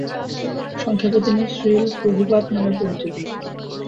সংক্ষেপে তিনি শ্রীল প্রভুপাদ নামে পরিচিত।